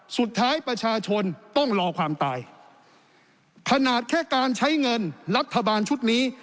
สุดท้ายประชาชนต้องรอความตายขนาดแค่การใช้เงินรัฐบาลชุดนี้